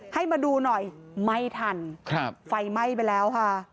ให้มาดูหน่อยไม่ทันครับไฟไหม้ไปแล้วค่ะ